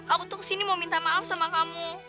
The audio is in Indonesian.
aku tuh ke sini mau minta maaf sama kamu